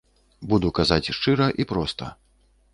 Буду казаць шчыра і проста.